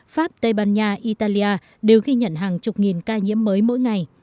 pháp tây ban nha italia đều ghi nhận hàng chục nghìn ca nhiễm mới mỗi ngày